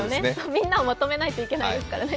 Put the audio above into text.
みんなをまとめないといけないですからね。